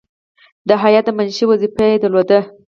د هیات د منشي وظیفه یې درلوده.